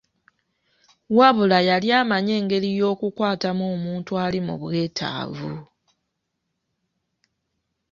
Wabula yali amanyi engeri y'okukwatamu omuntu ali mu bwetaavu.